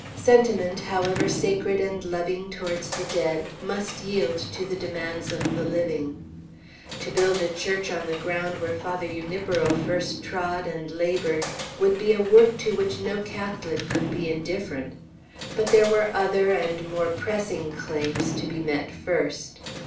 Sentiment, however sacred and loving towards the dead, must yield to the demands of the living. To build a church on the ground where Father Junipero first trod and labored, would be a work to which no Catholic could be indifferent; but there were other and more pressing claims to be met first.